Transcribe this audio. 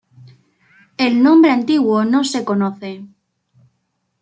El nombre antiguo no se conoce.